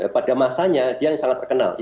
pada masanya dia yang sangat terkenal